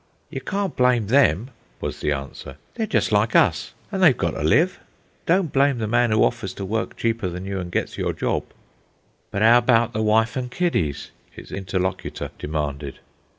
"You can't blame them," was the answer. "They're just like us, and they've got to live. Don't blame the man who offers to work cheaper than you and gets your job." "But 'ow about the wife an' kiddies?" his interlocutor demanded.